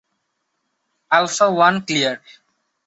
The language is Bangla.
Alpha one, clear.